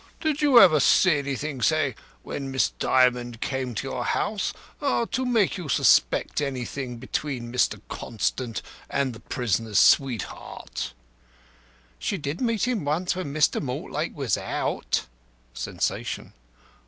Did you ever see anything say, when Miss Dymond came to your house to make you suspect anything between Mr. Constant and the prisoner's sweetheart?" "She did meet him once when Mr. Mortlake was out." (Sensation.)